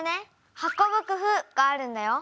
「運ぶ工夫」があるんだよ。